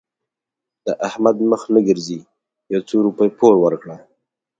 د احمد مخ نه ګرځي؛ يو څو روپۍ پور ورکړه.